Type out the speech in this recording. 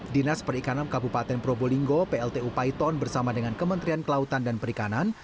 dinas perikanan kabupaten probolinggo pltu paiton bersama dengan kementerian kelautan dan perikanan